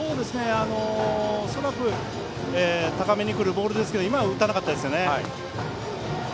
恐らく、高めにくるボールですが今は打たなかったですね。